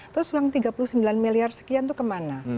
terus uang tiga puluh sembilan miliar sekian itu kemana